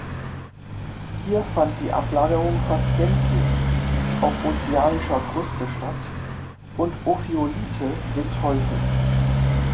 Hier fand die Ablagerung fast gänzlich auf ozeanischer Kruste statt, und Ophiolithe sind häufig.